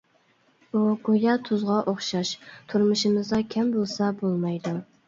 ئۇ گويا تۇزغا ئوخشاش، تۇرمۇشىمىزدا كەم بولسا بولمايدۇ.